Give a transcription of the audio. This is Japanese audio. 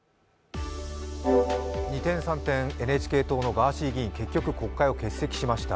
二転三転、ＮＨＫ党のガーシー議員、結局国会を欠席しました。